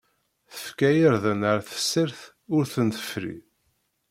Tefka irden ar tessirt ur ten-tefri.